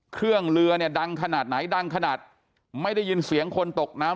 เรือเนี่ยดังขนาดไหนดังขนาดไม่ได้ยินเสียงคนตกน้ำ